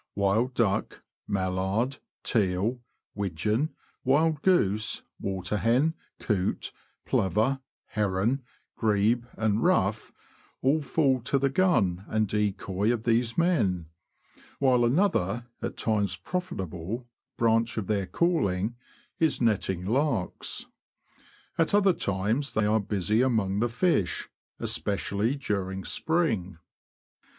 Wild duck, mallard, teal, widgeon, wild goose, water hen, coot, plover, heron, grebe, and ruif, all fall to the gun and decoy of these men ; while another, at times profitable, branch of their calling, is netting larks. At other times they are busy among the fish, especially during spring.